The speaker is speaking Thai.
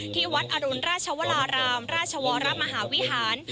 ที่วัดอรุณราชวรารามราชวรมหาวิหาร